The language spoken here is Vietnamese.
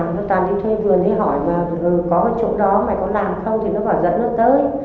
nó toàn đi thuê vườn hỏi mà có ở chỗ đó mày có làm không thì nó bảo dẫn nó tới